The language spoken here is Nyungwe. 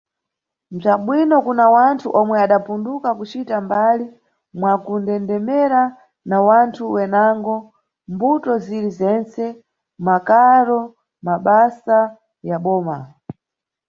Bza bwino kuna wanthu omwe adapunduka kucita mbali, mwakundendemera na wanthu wenango, mʼmbuto ziri zentse: mʼmakaro, mʼmabasa ya boma.